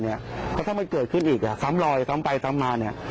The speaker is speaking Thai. เพราะถ้าไม่เกิดขึ้นอีกซ้ำลอยซ้ำไปซ้ำมา